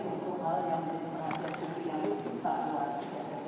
untuk hal yang lebih luas